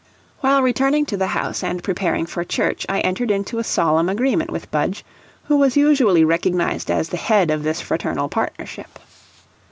While returning to the house and preparing for church I entered into a solemn agreement with Budge, who was usually recognized as the head of this fraternal partnership.